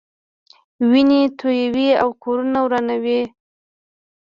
وینې تویوي او کورونه ورانوي.